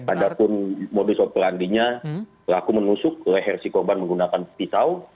ada pun modus operandinya pelaku menusuk leher si korban menggunakan pisau